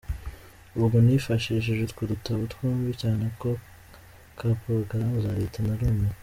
Ubwo nifashishije utwo dutabo twombi, cyane ako ka porogaramu za leta, ‘ narumiwe’ .